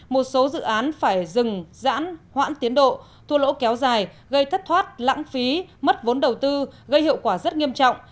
một số dự án phải dừng giãn hoãn tiến độ thua lỗ kéo dài gây thất thoát lãng phí mất vốn đầu tư gây hiệu quả rất nghiêm trọng